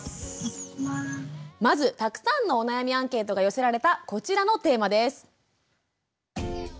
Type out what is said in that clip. まずたくさんのお悩みアンケートが寄せられたこちらのテーマです。